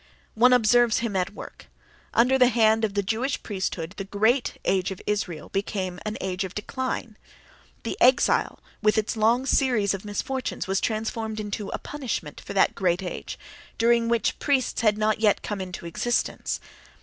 One observes him at work: under the hand of the Jewish priesthood the great age of Israel became an age of decline; the Exile, with its long series of misfortunes, was transformed into a punishment for that great age—during which priests had not yet come into existence.